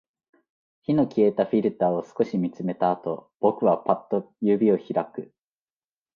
火の消えたフィルターを少し見つめたあと、僕はパッと指を開く